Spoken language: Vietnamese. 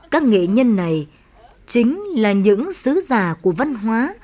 các nghệ nhân này chính là những sứ giả của văn hóa